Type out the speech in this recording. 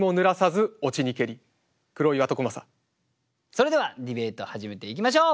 それではディベートを始めていきましょう。